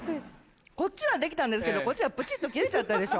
こっちはできたんですけどこっちはプチっと切れちゃったでしょ。